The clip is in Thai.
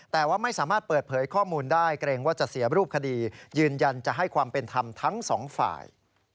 แต่ว่าไม่สามารถเปิดเผยข้อมูลได้เกรงว่าจะเสียรูปคดียืนยันจะให้ความเป็นธรรมทั้งสองฝ่าย